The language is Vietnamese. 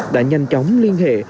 đã nhanh chóng liên hệ